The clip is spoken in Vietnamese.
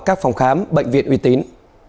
các phòng khám bệnh viện uy tín